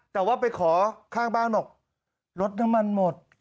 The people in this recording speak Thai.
แต่ว่าไปขอข้างบ้านบอกรถน้ำมันหมด